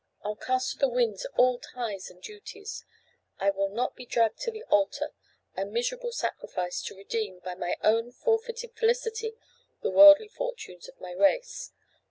I'll cast to the winds all ties and duties; I will not be dragged to the altar, a miserable sacrifice, to redeem, by my forfeited felicity, the worldly fortunes of my race.